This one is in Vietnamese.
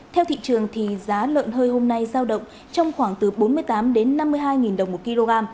theo thị trường giá lợn hơi hôm nay giao động trong khoảng từ bốn mươi tám đến năm mươi hai đồng một kg